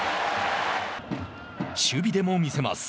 守備でもみせます。